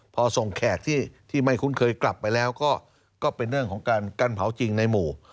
พอส่งแขกที่ไม่คุ้นเคยกลับไปแล้วก็เป็นเรื่องของการเผาจริงในหมู่